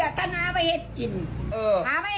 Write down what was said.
ไอ้ก็ได้ขายหมดมาตี